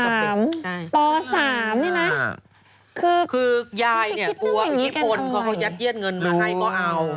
คือไม่ได้คิดเรื่องอย่างนี้กันเลยคือยายเนี่ยกลัวพี่ผนเขายัดเยี้ยดเงินมาให้เพราะเอา